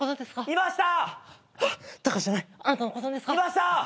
・いました！